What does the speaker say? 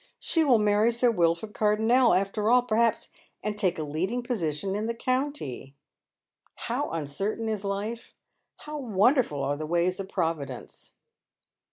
She will marry Sir Wilford Cardonnel after all, perhaps, and take a leading position in the county. How uncertain is life! How wonderful are the ways of Providence